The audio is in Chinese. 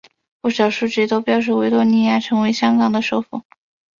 不少书籍都标示维多利亚城为香港的首府。